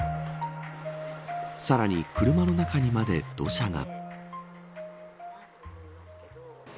さらに車の中にまで土砂が。